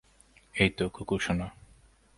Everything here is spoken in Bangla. এইতো, কুকুরসোনা!